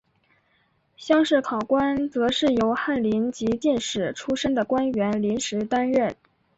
乡试考官则是由翰林及进士出身的官员临时担任。